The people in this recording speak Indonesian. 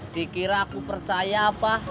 dikira aku percaya apa